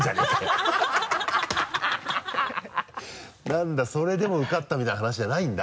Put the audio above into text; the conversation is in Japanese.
なんだそれでも受かったみたいな話じゃないんだ。